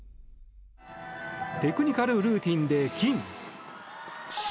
テクニカルルーティンで金！